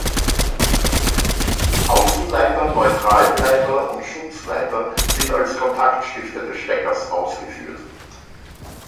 Außenleiter, Neutralleiter und Schutzleiter sind als Kontaktstifte des Steckers ausgeführt.